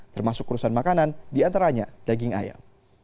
termasuk urusan makanan diantaranya daging ayam